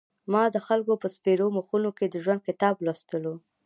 ما د خلکو په سپېرو مخونو کې د ژوند کتاب لوستلو.